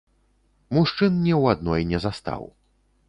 Мужчын ні ў адной не застаў.